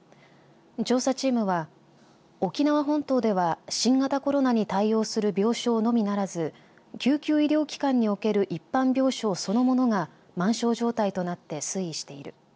調査チームは、沖縄本島では新型コロナに対応する病床のみならず救急医療機関における一般病床そのものが満床状態となって推移している。